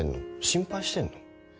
心配してんの？